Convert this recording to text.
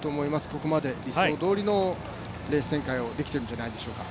ここまで理想どおりのレース展開をできているんじゃないでしょうか。